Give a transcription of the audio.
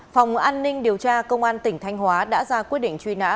phòng an ninh điều tra công an tỉnh thanh hóa đã ra quyết định truy nã